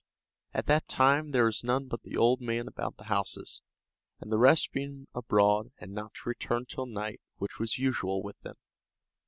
At that time there was none but the old man about the houses, the rest being abroad, and not to return till night, which was usual with them.